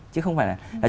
chứ không phải là